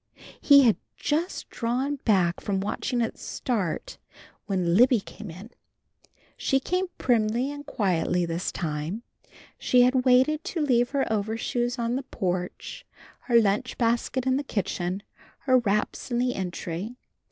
He had just drawn back from watching it start when Libby came in. She came primly and quietly this time. She had waited to leave her overshoes on the porch, her lunch basket in the kitchen, her wraps in the entry.